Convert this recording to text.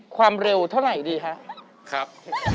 ความเร็วเท่าไหร่ดีครับ